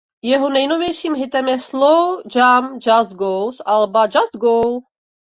Jeho nejnovějším hitem je slow jam "Just Go" z alba "Just Go".